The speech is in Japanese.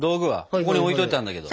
ここに置いといたんだけど。